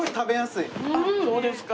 あっそうですか。